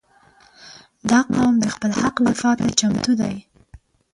• دا قوم د خپل حق دفاع ته چمتو دی.